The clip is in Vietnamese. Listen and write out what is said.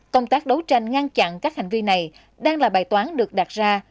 công tác đấu tranh ngăn chặn các hành vi này đang là bài toán được đặt ra